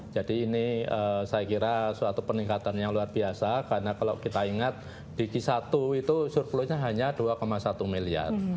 jadi ini saya kira suatu peningkatan yang luar biasa karena kalau kita ingat di g satu itu surplusnya hanya dua satu miliar